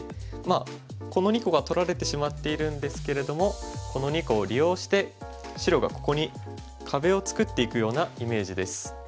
まあこの２個が取られてしまっているんですけれどもこの２個を利用して白がここに壁を作っていくようなイメージです。